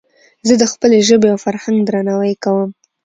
زه د خپلي ژبي او فرهنګ درناوی کوم.